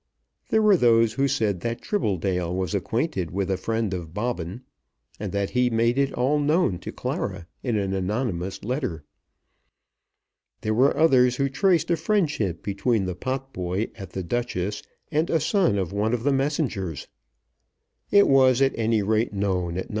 There were those who said that Tribbledale was acquainted with a friend of Bobbin, and that he made it all known to Clara in an anonymous letter. There were others who traced a friendship between the potboy at The Duchess and a son of one of the messengers. It was at any rate known at No.